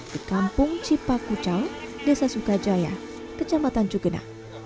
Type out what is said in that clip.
di kampung cipakucal desa sukajaya kejamatan cukena